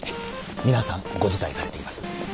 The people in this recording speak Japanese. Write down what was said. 皆さんご辞退されています。